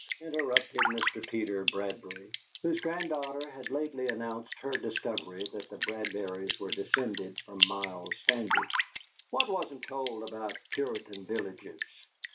interrupted Mr. Peter Bradbury, whose granddaughter had lately announced her discovery that the Bradburys were descended from Miles Standish. "What wasn't told about Puritan villages?"